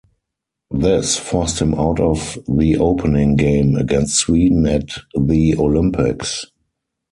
This forced him out of the opening game against Sweden at the Olympics.